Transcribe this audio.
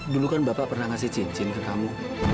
dulu kan bapak pernah ngasih cincin ke kamu